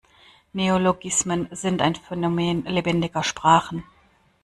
Neologismen sind ein Phänomen lebendiger Sprachen.